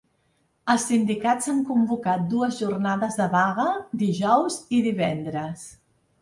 Els sindicats han convocat dues jornades de vaga, dijous i divendres.